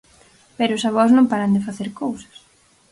Pero os avós non paran de facer cousas.